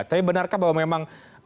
tapi benarkah bahwa memang